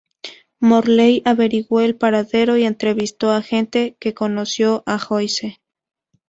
Morley averiguó el paradero y entrevistó a gente que conoció a Joyce.